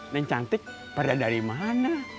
yang cantik pada dari mana